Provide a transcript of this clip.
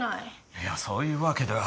いやそういうわけでは。